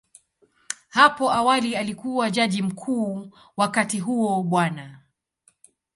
Hapo awali alikuwa Jaji Mkuu, wakati huo Bw.